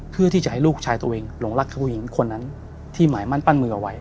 เพื่อที่จะให้ลูกชายตัวเองหลงรักผู้หญิงคนนั้นที่หมายมั่นปั้นมือเอาไว้